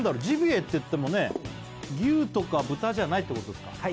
ジビエっていってもね牛とか豚じゃないってことですか